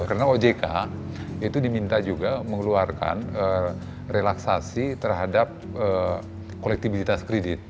karena ojk itu diminta juga mengeluarkan relaksasi terhadap kolektibilitas kredit